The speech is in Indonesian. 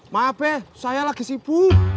maaf ya saya lagi sibuk